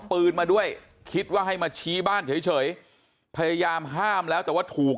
ปืนมาด้วยคิดว่าให้มาชี้บ้านเฉยพยายามห้ามแล้วแต่ว่าถูก